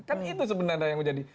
kan itu sebenarnya yang menjadi